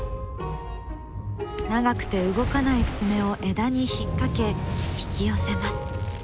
長くて動かない爪を枝に引っ掛け引き寄せます。